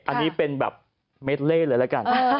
อันนี้เป็นแบบเม็ดเล่เลยละกัน